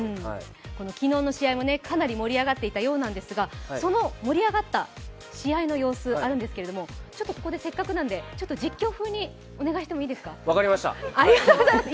昨日の試合もかなり盛り上がっていたようなんですがその盛り上がった試合の様子、あるんですけれどもここでせっかくなので、実況風にお願いしてもいいですか。